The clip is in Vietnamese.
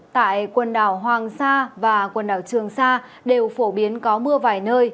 tại quần đảo hoàng sa và quần đảo trường sa đều phổ biến có mưa vài nơi